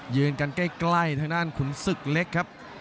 ยืนกันใกล้ทางด้านขุนศึกเล็กครับ